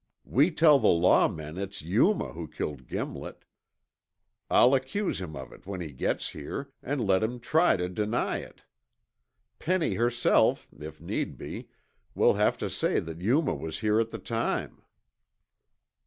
We tell the law men it's Yuma who killed Gimlet. I'll accuse him of it when he gets here, and let him try to deny it. Penny herself, if need be, will have to say that Yuma was here at the time."